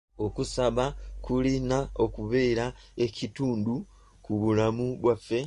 Okusaba kulina okubeera ekitundu ku bulamu bwaffe.